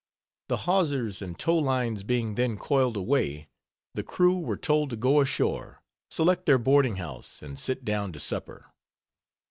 _ The hawsers and tow lines being then coiled away, the crew were told to go ashore, select their boarding house, and sit down to supper.